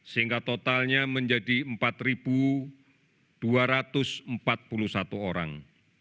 sehingga totalnya menjadi empat dua ratus empat puluh satu orang